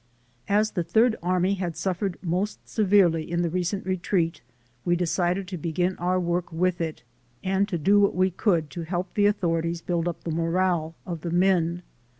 As the Third Army had suffered most severely in the recent retreat, we decided to begin our work with it and to do what we could to help the authorities build up the "morale" of the men.